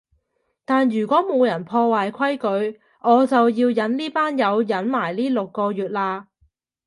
但如果冇人破壞規矩，我就要忍呢班友忍埋呢六個月喇